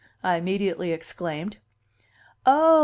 I immediately exclaimed. "Oh!"